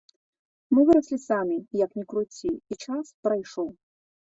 Мы выраслі самі, як ні круці, і час прайшоў.